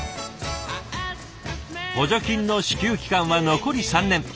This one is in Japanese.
補助金の支給期間は残り３年。